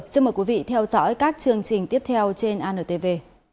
xin mời quý vị theo dõi các chương trình tiếp theo trên antv